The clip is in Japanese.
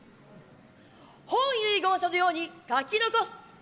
本遺言書のように書き残す。